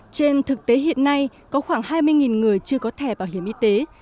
trên thực tế hiện nay có khoảng hai mươi người chưa có thẻ bảo hiểm y tế